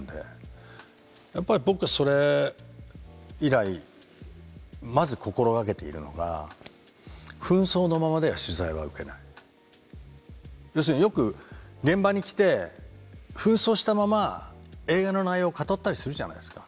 やっぱり僕はそれ以来まず心掛けているのが要するによく現場に来て扮装したまま映画の内容を語ったりするじゃないですか。